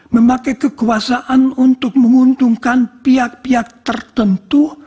memakai kekuasaan untuk menguntungkan pihak pihak tertentu